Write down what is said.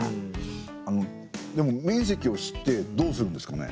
あのでも面積を知ってどうするんですかね？